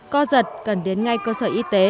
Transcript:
co giật cần đến ngay cơ sở y tế